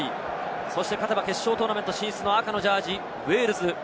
そして勝てば決勝トーナメント進出、赤のジャージー、ウェールズ。